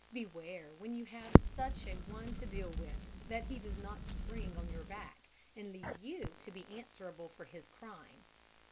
Beware, when you have such an one to deal with, that he does not spring on your back, and leave you to be answerable for his crime.